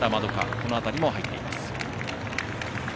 この辺りも入っています。